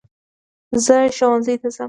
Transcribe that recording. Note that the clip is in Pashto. زه ښوونځی ته ځم